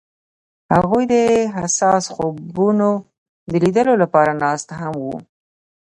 هغوی د حساس خوبونو د لیدلو لپاره ناست هم وو.